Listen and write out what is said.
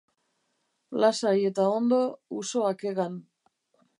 Lasai eta ondo, usoak hegan.